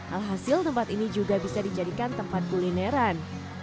alhasil tempat ini juga bisa dijadikan tempat kulineran